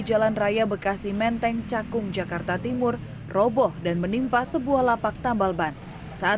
jalan raya bekasi menteng cakung jakarta timur roboh dan menimpa sebuah lapak tambal ban saat